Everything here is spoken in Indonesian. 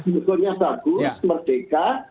bukannya bagus merdeka